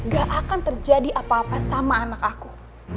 gak akan terjadi apa apa sama anak aku